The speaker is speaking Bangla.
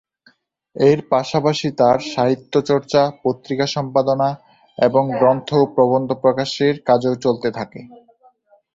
এর পাশাপাশি তাঁর সাহিত্যচর্চা, পত্রিকা সম্পাদনা এবং গ্রন্থ ও প্রবন্ধ প্রকাশের কাজও চলতে থাকে।